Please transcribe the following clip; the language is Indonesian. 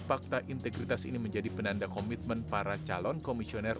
fakta integritas ini menjadi penanda komitmen para calon komisioner